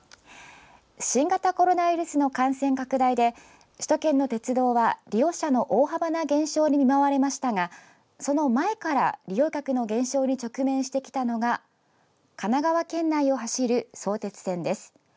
新型コロナウイルスの感染拡大で首都圏の鉄道は利用者の大幅な減少に見舞われましたがその前から利用客の減少に直面してきたのが神奈川県内を走る相鉄線です。